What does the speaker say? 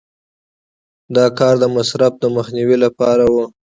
دا کار د مصرف د مخنیوي لپاره و.